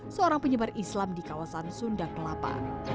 seorang penyebar islam di kawasan sunda kelapa